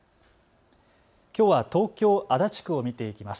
きょうは東京足立区を見ていきます。